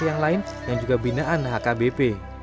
yang lain yang juga binaan hkbp